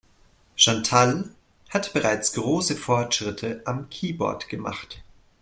Chantal hat bereits große Fortschritte am Keyboard gemacht.